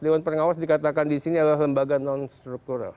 dewan pengawas dikatakan disini adalah lembaga non struktural